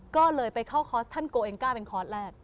ก็เลยไปเข้าคอร์สทันโกเอ็นก้าเป็นคอร์สแรก